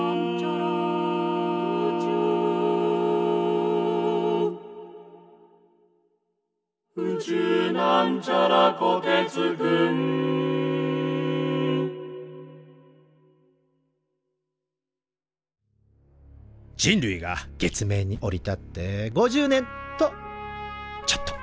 「宇宙」人類が月面に降り立って５０年！とちょっと。